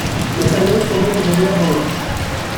La carriole tombait d'une ornière dans l'autre.